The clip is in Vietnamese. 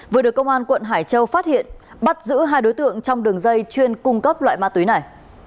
vừa được công an quận hải châu phát hiện bắt giữ hai đối tượng trong đường dây chuyên cung cấp loại ma túy này